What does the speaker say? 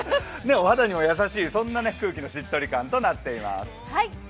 お肌にも優しいそんな空気のしっとり感となっています。